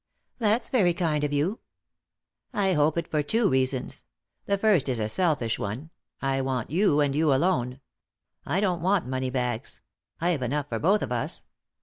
"That's very kind of you." " I hope it for two reasons. The first is a selfish one — I want you, and you alone. I don't want money bags ; I've enough for both of us.